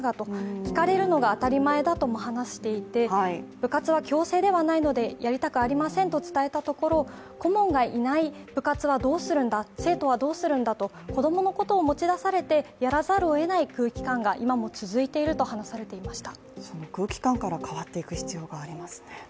部活は強制ではないので、やりたくありませんと伝えたところ、顧問がいない部活はどうするんだ、生徒はどうするんだと子どものことを持ち出されてやらざるをえない空気感が今も続いていると話されていました。